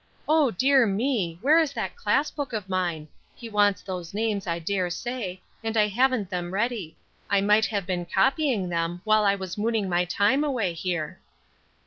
"Oh, dear me! where is that class book of mine? He wants those names, I dare say, and I haven't them ready. I might have been copying them while I was mooning my time away here."